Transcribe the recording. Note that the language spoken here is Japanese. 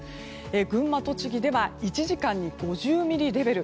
群馬、栃木では１時間に５０ミリレベル。